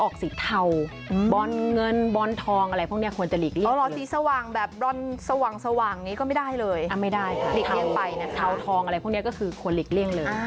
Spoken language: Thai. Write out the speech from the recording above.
คือควรหลีกเลี่ยงเลย